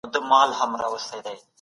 تاسي چي سئ نو زه به خوشحاله سم.